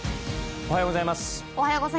おはようございます。